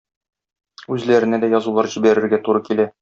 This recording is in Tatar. Үзләренә дә язулар җибәрергә туры килә.